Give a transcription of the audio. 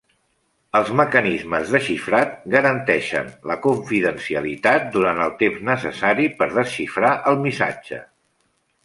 Els mecanismes de xifrat garanteixen la confidencialitat durant el temps necessari per desxifrar el missatge.